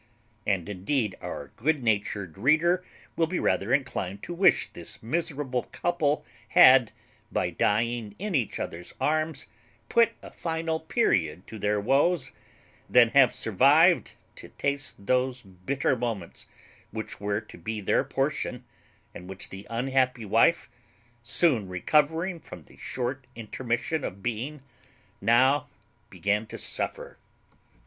And indeed our good natured reader will be rather inclined to wish this miserable couple had, by dying in each other's arms, put a final period to their woes, than have survived to taste those bitter moments which were to be their portion, and which the unhappy wife, soon recovering from the short intermission of being, now began to suffer.